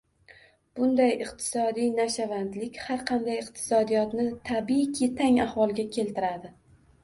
Bunday «iqtisodiy nashavandlik» har qanday iqtisodiyotni, tabiiyki, tang ahvolga keltiradi.